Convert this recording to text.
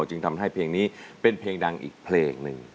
จึงทำให้เพลงนี้เป็นเพลงดังอีกเพลงหนึ่ง